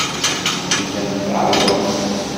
Tellamt tɛerrḍemt.